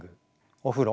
お風呂？